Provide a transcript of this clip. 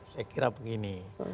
saya kira begini